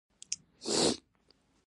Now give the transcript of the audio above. کاغذي پیسې په اصل کې د سرو زرو استازي دي